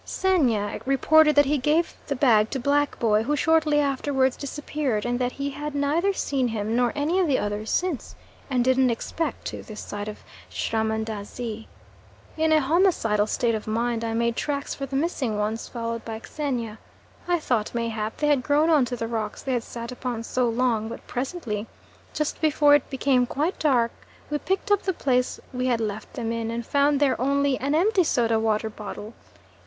Xenia reported that he gave the bag to Black boy, who shortly afterwards disappeared, and that he had neither seen him nor any of the others since, and didn't expect to this side of Srahmandazi. In a homicidal state of mind, I made tracks for the missing ones followed by Xenia. I thought mayhap they had grown on to the rocks they had sat upon so long, but presently, just before it became quite dark, we picked up the place we had left them in and found there only an empty soda water bottle.